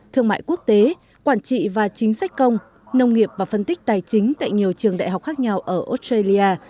thương mại quốc tế quản trị và chính sách công nông nghiệp và phân tích tài chính tại nhiều trường đại học khác nhau ở australia